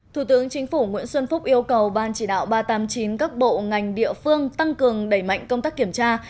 thủ tướng chính phủ nguyễn xuân phúc yêu cầu ban chỉ đạo ba trăm tám mươi chín các bộ ngành địa phương tăng cường đẩy mạnh công tác kiểm tra